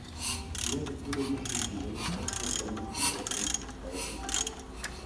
Dnes v budově sídlí Ministerstvo pro místní rozvoj České republiky.